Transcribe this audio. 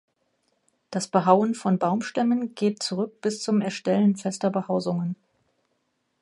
Das Behauen von Baumstämmen geht zurück bis zum Erstellen fester Behausungen.